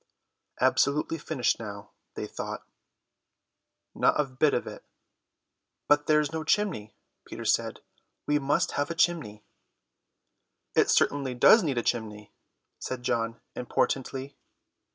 Absolutely finished now, they thought. Not of bit of it. "There's no chimney," Peter said; "we must have a chimney." "It certainly does need a chimney," said John importantly.